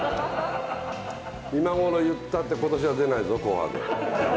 今頃言ったって今年は出ないぞ「紅白」。